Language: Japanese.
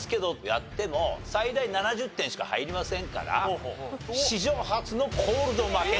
やっても最大７０点しか入りませんから史上初のコールド負けと。